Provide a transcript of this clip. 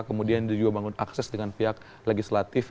kemudian dia juga bangun akses dengan pihak legislatif